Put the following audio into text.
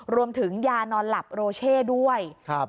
รวมถึงยานอนหลับโรเช่ด้วย